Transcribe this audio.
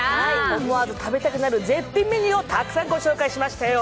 思わず食べたくなる絶品メニューをたくさんご紹介しましたよ。